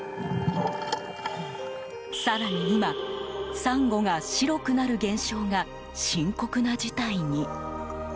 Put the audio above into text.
更に今、サンゴが白くなる現象が深刻な事態に。